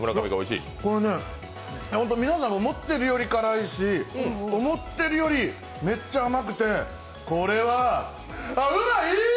これね皆さんが思っているより辛いし思っているより、めっちゃ甘くてこれはあ、うまいーっ！